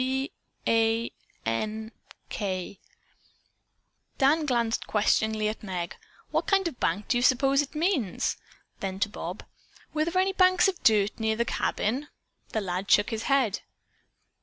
"B a n k." Dan glanced questioningly at Meg. "What kind of a bank do you suppose it means?" Then to Bob: "Were there any banks of dirt near the cabin?" That lad shook his head.